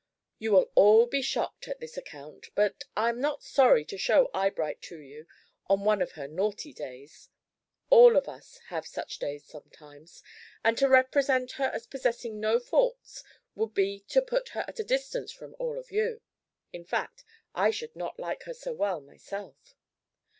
You will all be shocked at this account, but I am not sorry to show Eyebright to you on one of her naughty days. All of us have such days sometimes, and to represent her as possessing no faults would be to put her at a distance from all of you; in fact, I should not like her so well myself.